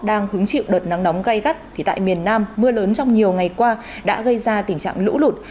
đang hứng chịu đợt nắng nóng gây gắt thì tại miền nam mưa lớn trong nhiều ngày qua đã gây ra tình trạng lũ lụt